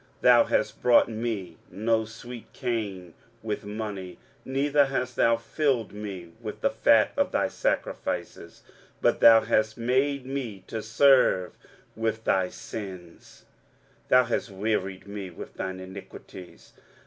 23:043:024 Thou hast bought me no sweet cane with money, neither hast thou filled me with the fat of thy sacrifices: but thou hast made me to serve with thy sins, thou hast wearied me with thine iniquities.